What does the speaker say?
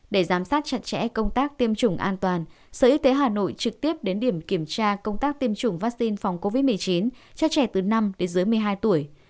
để giám sát chặt chẽ công tác tiêm chủng an toàn sở y tế hà nội trực tiếp đến điểm kiểm tra công tác tiêm chủng vaccine phòng covid một mươi chín cho trẻ từ năm đến dưới một mươi hai tuổi